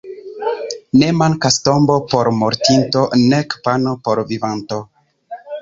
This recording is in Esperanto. Ne mankas tombo por mortinto nek pano por vivanto.